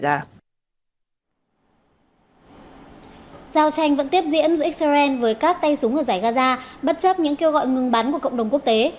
giao tranh vẫn tiếp diễn giữa israel với các tay súng ở giải gaza bất chấp những kêu gọi ngừng bắn của cộng đồng quốc tế